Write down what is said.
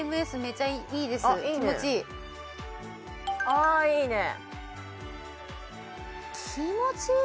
ああいいね。